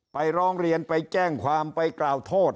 ไปร้องเรียนไปแจ้งความไปกล่าวโทษ